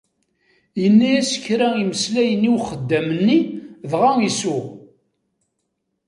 Yenna-yas kra imeslayen I uxeddam-nni dγa isuγ: